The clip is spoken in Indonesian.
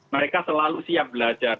mereka selalu siap belajar